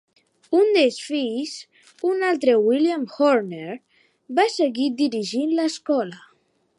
Un dels fills, un altre William Horner, va seguir dirigint l'escola.